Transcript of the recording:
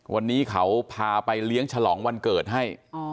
วันนี้เขาพาไปเลี้ยงฉลองวันเกิดให้